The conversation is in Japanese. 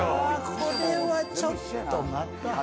これはちょっとまた。